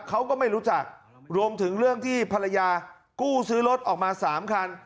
เขาก็ไม่รู้จักรวมถึงเรื่องที่ภรรยากู้ซื้อรถออกมา๓คัน